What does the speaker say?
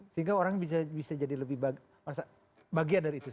sehingga orang bisa jadi lebih bagian dari itu